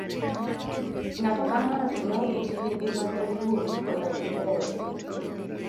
Ng'ato ka ng'ato ne odich gi ngimane owuon koda gi joode.